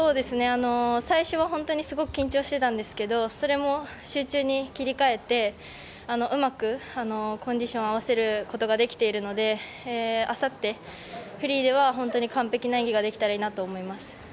最初は本当にすごく緊張してたんですけどそれも集中に切り替えてうまくコンディションを合わせることができているのであさって、フリーでは本当に完璧な演技ができたらいいなと思います。